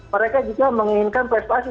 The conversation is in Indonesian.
mereka juga menginginkan prestasi